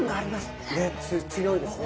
ねっ強いですね。